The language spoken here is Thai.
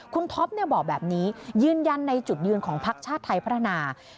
คุณท็อปบอกแบบนี้ยืนยันในจุดยืนของพักชาติไทยพัฒนา